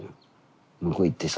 向こう行ってさ